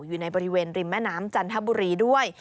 อยู่ในบริเวณริมแม่น้ำจันทบุรีด้วย